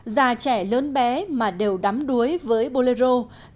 già trẻ lớn bé mà đều đắm đuối với bolero